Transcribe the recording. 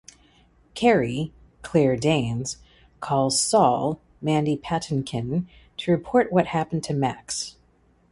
Carrie (Claire Danes) calls Saul (Mandy Patinkin) to report what happened to Max.